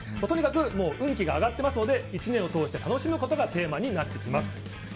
とにかく運気が上がってますので１年を通して楽しむことがテーマになってきますと。